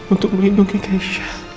untuk melindungi keisha